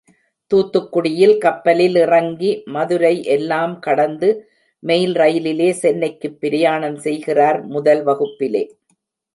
தூத்துக்குடியில் கப்பலில் இறங்கி மதுரை எல்லாம் கடந்து மெயில் ரயிலிலே சென்னைக்குப் பிரயாணம் செய்கிறார் முதல் வகுப்பிலே.